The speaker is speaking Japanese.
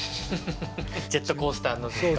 ジェットコースターのですか？